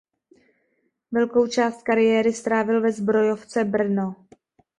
Velkou část kariéry strávil ve Zbrojovce Brno.